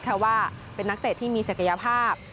เพราะว่าเป็นนักเตะที่มีศักยภาพ